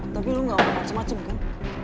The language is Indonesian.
tapi lo gak mau macem macem kan